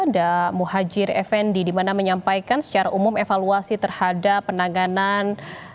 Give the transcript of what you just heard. dan muhajir efendi dimana menyampaikan secara umum evaluasi terhadap penanganan